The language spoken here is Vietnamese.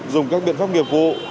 dùng các biện pháp nghiệp vụ